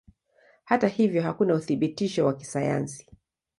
Hata hivyo hakuna uthibitisho wa kisayansi.